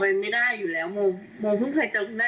ค่ะแล้วก็ไม่ได้สนิทกันไม่ได้ถือเราเพิ่งเจอหลักเราเพิ่งเจอคุณแม่